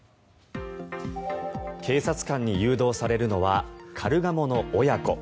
警察官に誘導されるのはカルガモの親子。